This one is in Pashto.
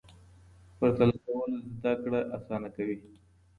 پرتله کول زده کړه اسانه کوي.